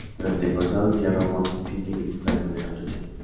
Durante el forzado encierro Montes pinta y dibuja de manera obsesiva.